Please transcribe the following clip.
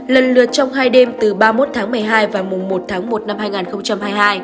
lần lượt trong hai đêm từ ba mươi một tháng một mươi hai và mùng một tháng một năm hai nghìn hai mươi hai